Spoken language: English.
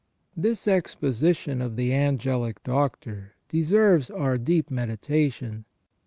* This exposition of the Angelic Doctor deserves our deep medi tation.